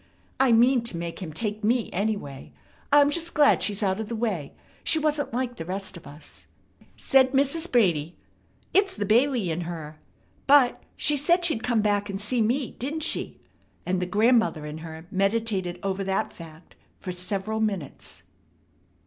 I mean to make him take me, anyway. I'm just glad she's out of the way. She wasn't like the rest of us." Said Mrs. Brady: "It's the Bailey in her. But she said she'd come back and see me, didn't she?" and the grandmother in her meditated over that fact for several minutes.